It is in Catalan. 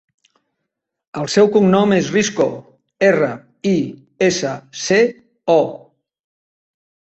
El seu cognom és Risco: erra, i, essa, ce, o.